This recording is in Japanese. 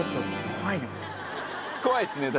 怖いですね